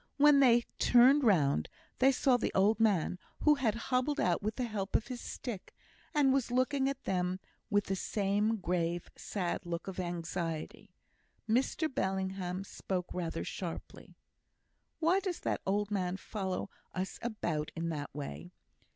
When they turned round they saw the old man, who had hobbled out with the help of his stick, and was looking at them with the same grave, sad look of anxiety. Mr Bellingham spoke rather sharply: "Why does that old man follow us about in that way?